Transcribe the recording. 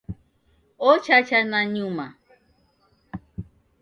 Ochacha nanyuma